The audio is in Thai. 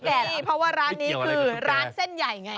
เพราะว่าร้านนี้คือร้านเส้นใหญ่ไง